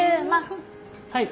はい。